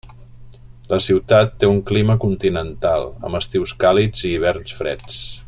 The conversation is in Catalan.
La ciutat té un clima continental, amb estius càlids i hiverns freds.